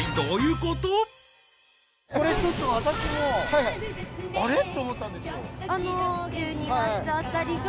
これ私もあれ？って思ったんですよ。